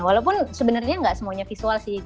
walaupun sebenarnya enggak semuanya visual sih